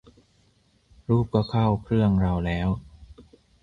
รูปก็เข้าเครื่องเราแล้ว